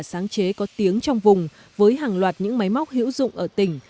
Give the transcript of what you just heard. sáng chế có tiếng trong vùng với hàng loạt những máy móc hữu dụng ở tỉnh